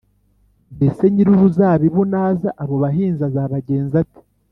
“Mbese nyir’uruzabibu naza, abo bahinzi azabagenza ate?”